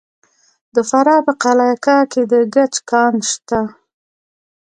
د فراه په قلعه کاه کې د ګچ کان شته.